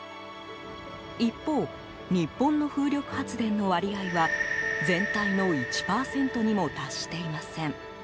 一方、日本の風力発電の割合は全体の１％にも達していません。